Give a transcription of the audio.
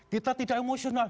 kita tidak emosional